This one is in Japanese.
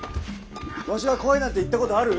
わしが怖いなんて言った事ある？